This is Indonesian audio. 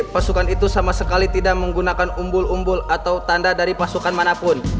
pasukan itu sama sekali tidak menggunakan umbul umbul atau tanda dari pasukan manapun